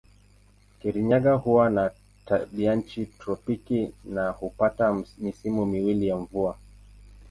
Kirinyaga huwa na tabianchi tropiki na hupata misimu miwili ya mvua.